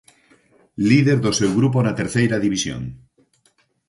Líder do seu grupo na Terceira División.